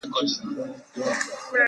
hatujambo kabisa tunaendelea vizuri